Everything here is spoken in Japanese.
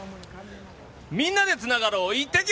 みんなでつながろうイッテＱ！